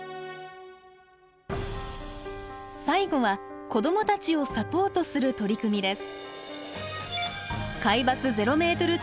最後は子どもたちをサポートする取り組みです。